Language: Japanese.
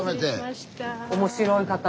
面白い方。